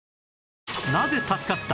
なぜ助かった？